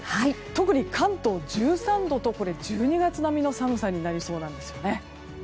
特に関東、１３度と１２月並みの寒さになりそうなんですよね。